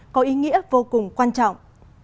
có ý nghĩa vô cùng quan trọng